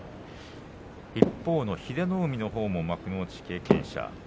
一方の英乃海のほうも幕内経験者。